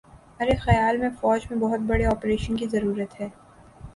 ارے خیال میں فوج میں بہت بڑے آپریشن کی ضرورت ہے